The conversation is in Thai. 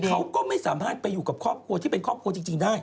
เขาก็ไม่สามารถไปอยู่กับครอบครัวที่เป็นครอบครัวจริงได้